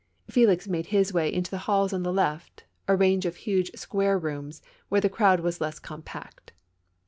Felix made his vray into the halls on the left, a range of huge square rooms, wdiere the crowd was less com pact.